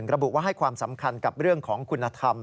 ระบุว่าให้ความสำคัญกับเรื่องของคุณธรรม